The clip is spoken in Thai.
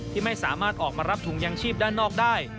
ที่ไม่สามารถออกมารับถุงยางชีพด้านนอกได้